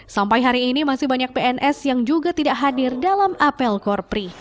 sampai hari ini masih banyak pns yang juga tidak hadir dalam apel korpri